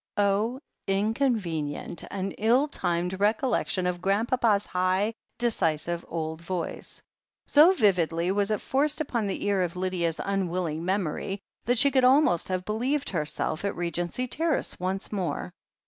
Oh, inconvenient and ill timed recollection of Grandpapa's high, decisive old voice ! So vividly was it forced upon the ear of Lydia's unwilling memory that she could almost have believed herself at Regency Terrace once more.